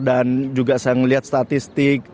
dan juga saya melihat statistik